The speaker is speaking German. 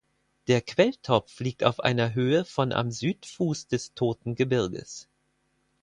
Der Quelltopf liegt auf einer Höhe von am Südfuß des Toten Gebirges.